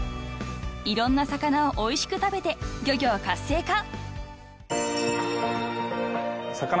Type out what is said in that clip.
［いろんな魚をおいしく食べて漁業活性化！］